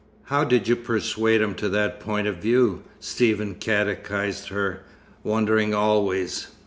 "How did you persuade him to that point of view?" Stephen catechized her, wondering always.